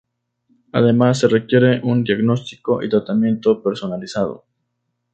Además se requiere un diagnóstico y tratamiento personalizado.